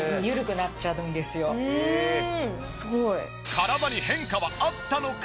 体に変化はあったのか？